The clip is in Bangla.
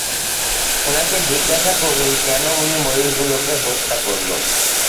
উনাকে জিজ্ঞাসা করুন কেন উনি ময়ূরগুলো হত্যা করলো?